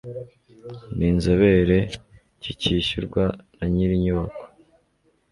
n inzobere kikishyurwa na nyir inyubako